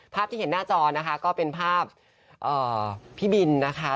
ที่เห็นหน้าจอนะคะก็เป็นภาพพี่บินนะคะ